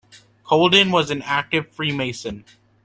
Colden was an active Freemason.